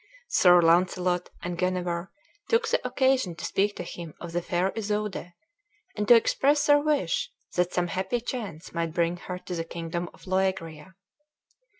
Sir Launcelot and Guenever took the occasion to speak to him of the fair Isoude, and to express their wish that some happy chance might bring her to the kingdom of Loegria.